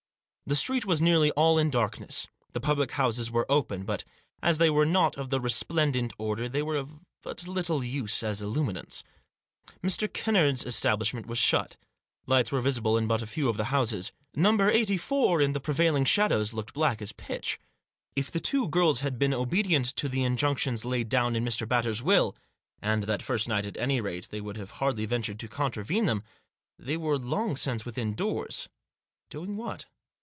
The street was nearly all in dark ness. The public houses were open ; but, as they were not of the resplendent order, they were of but little use as illuminants. Mr. Kennard's establishment was shut. Lights were visible in but few of the houses. No. 84, in the prevailing shadows, looked black as pitch. If Digitized by 190 THE JOSS. the two girls had been obedient to the injunctions laid down in Mr. Batters' will — and that first night, at any rate, they would have hardly ventured to contravene them — they were long since within doors. Doing what